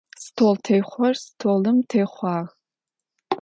Столтехъор столым техъуагъ.